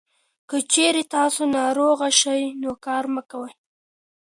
که چېرې تاسو ناروغه شئ، نو کار مه کوئ.